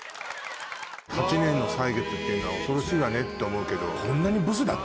８年の歳月っていうのは恐ろしいわねって思うけどこんなにブスだった？